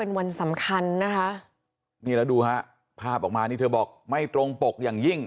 เป็นวันสำคัญนะคะนี่แล้วดูฮะภาพออกมานี่เธอบอกไม่ตรงปกอย่างยิ่ง